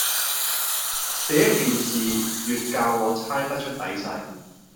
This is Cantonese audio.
這一件事，越教我猜不出底細。